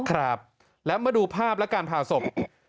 ครับแล้วมาดูภาพและการผ่าศพ